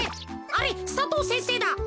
あれ佐藤先生だ。